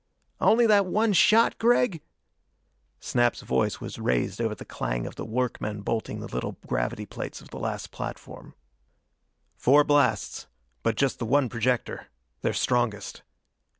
"Only that one shot, Gregg?" Snap's voice was raised over the clang of the workmen bolting the little gravity plates of the last platform. "Four blasts. But just the one projector. Their strongest."